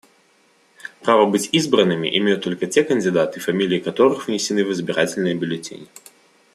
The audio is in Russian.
Право быть избранными имеют только те кандидаты, фамилии которых внесены в избирательные бюллетени.